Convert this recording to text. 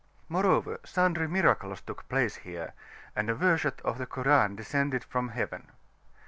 Moreover, sundry miracles took place here, and a verset of the Koran descended from heaven.